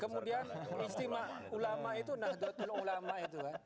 kemudian istimewa ulama itu nahdlatul ulama itu kan